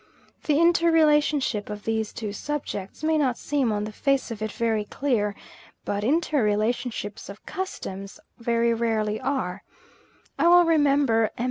The inter relationship of these two subjects may not seem on the face of it very clear, but inter relationships of customs very rarely are; I well remember M.